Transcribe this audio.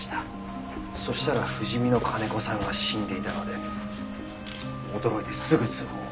そしたら不死身の金子さんが死んでいたので驚いてすぐ通報を。